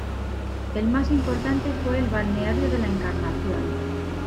El más importante fue el balneario de la Encarnación.